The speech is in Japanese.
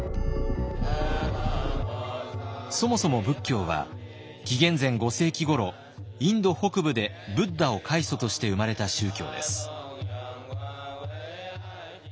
そもそも仏教は紀元前５世紀ごろインド北部でブッダを開祖として生まれた宗教です。